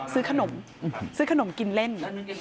ซื้อขนมซื้อขนมกินเล่น